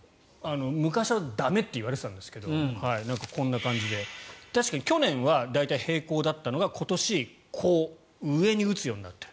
昔は駄目と言われていたんですけどこんな感じで確かに去年は平行だったのが今年、こう上に打つようになっている。